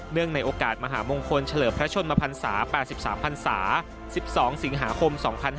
ในโอกาสมหามงคลเฉลิมพระชนมพันศา๘๓พันศา๑๒สิงหาคม๒๕๕๙